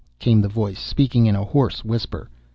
came the voice, speaking in a hoarse whisper.